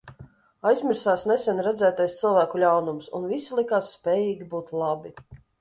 Aizmirsās nesen redzētais cilvēku ļaunums, un visi likās spējīgi būt labi.